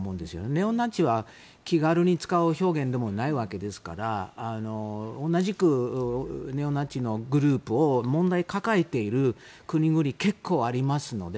ネオナチは気軽に使う表現でもないわけですから同じくネオナチのグループの問題抱えている国々結構ありますので。